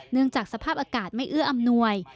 จากสภาพอากาศไม่เอื้ออำนวย